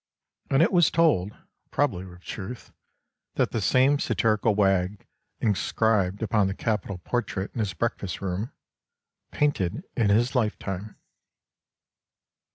And it was told (probably with truth), that the same satirical wag inscribed upon the capital portrait in his breakfast room, 'Painted in his lifetime.